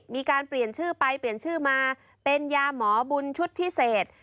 มีการเปลี่ยนชื่อไปเปลี่ยนชื่อมาเป็นยาหมอบุญชุดพิเศษ